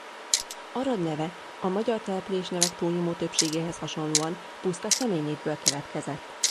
Arad neve a magyar településnevek túlnyomó többségéhez hasonlóan puszta személynévből keletkezett.